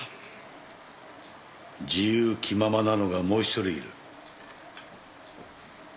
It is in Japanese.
自由気ままなのがもう１人いる。